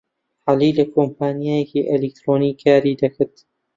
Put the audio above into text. عەلی لە کۆمپانیایەکی ئەلیکترۆنی کاری دەکرد.